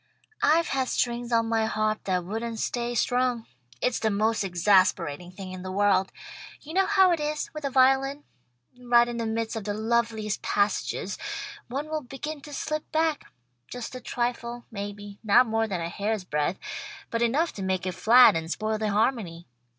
"I've had strings on my harp that wouldn't stay strung. It's the most exasperating thing in the world. You know how it is, with a violin. Right in the midst of the loveliest passages one will begin to slip back just a trifle, maybe, not more than a hair's breadth, but enough to make it flat and spoil the harmony.